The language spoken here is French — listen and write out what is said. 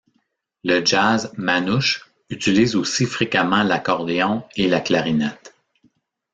Le jazz manouche utilise aussi fréquemment l'accordéon et la clarinette.